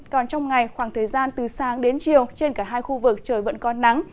còn trong ngày khoảng thời gian từ sáng đến chiều trên cả hai khu vực trời vẫn có nắng